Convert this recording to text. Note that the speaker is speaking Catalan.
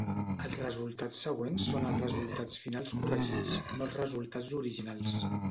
Els resultats següents són els resultats finals corregits, no els resultats originals.